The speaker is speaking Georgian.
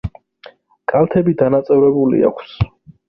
კალთები დანაწევრებული აქვს.